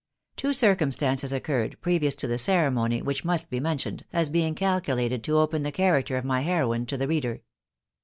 wo circumstances occurred previous to the ceremony which t be mentioned, as being calculated to open the character ay heroine to the reader.